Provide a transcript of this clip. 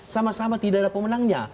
sama sama tidak ada pemenangnya